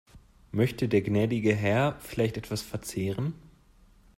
Möchte der gnädige Herr vielleicht etwas verzehren?